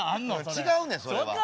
違うねんそれは。